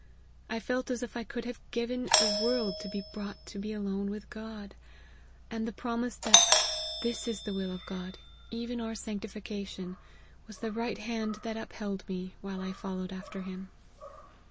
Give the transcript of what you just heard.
I felt as if I could have given the world to be brought to be alone with God ; and the promise that 4 this is the will of God, even our sanctification,' was the right hand that upheld me while I followed after Him.